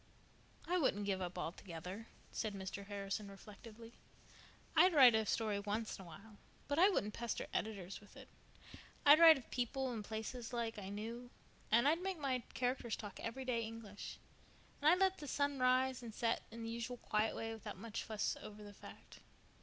"I wouldn't give up altogether," said Mr. Harrison reflectively. "I'd write a story once in a while, but I wouldn't pester editors with it. I'd write of people and places like I knew, and I'd make my characters talk everyday English; and I'd let the sun rise and set in the usual quiet way without much fuss over the fact.